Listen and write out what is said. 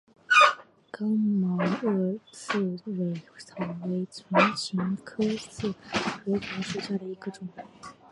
刚毛萼刺蕊草为唇形科刺蕊草属下的一个种。